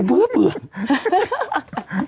เจี๊ยบมาค่ะ